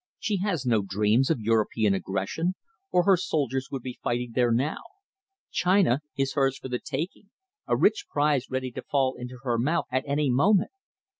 She has no dreams of European aggression, or her soldiers would be fighting there now. China is hers for the taking, a rich prize ready to fall into her mouth at any moment.